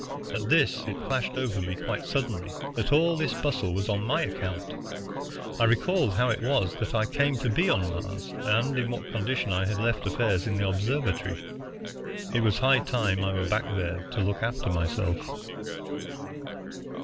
At this it flashed over me quite suddenly that all this bustle was on my account. I recalled how it was that I came to be on Mars, and in what condition I had left affairs in the observatory. It was high time I were back there to look after myself.